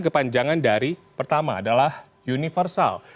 kepanjangan dari pertama adalah universal